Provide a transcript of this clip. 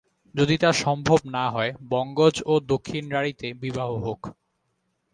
যদি তা সম্ভব না হয়, বঙ্গজ ও দক্ষিণরাঢ়ীতে বিবাহ হোক।